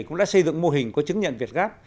cũng đã xây dựng mô hình có chứng nhận việt gáp